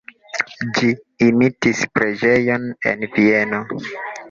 Ĝi imitis preĝejon en Vieno.